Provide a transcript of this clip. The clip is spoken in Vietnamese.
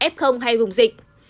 f hay vùng dịch